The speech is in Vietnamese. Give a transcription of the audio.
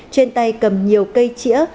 trên tay cầm nhiều cây chĩa